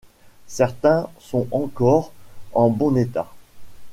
Certains sont encore en bon état.